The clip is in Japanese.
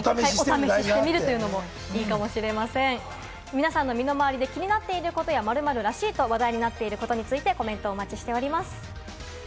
皆さんの身の回りで気になっていることや「○○らしい」と話題になっていることについてコメントお待ちしております。